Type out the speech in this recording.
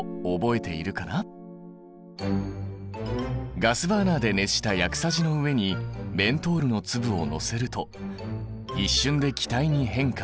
ガスバーナーで熱した薬さじの上にメントールの粒をのせると一瞬で気体に変化。